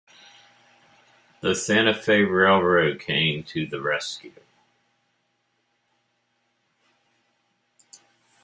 The Santa Fe Railroad came to the rescue.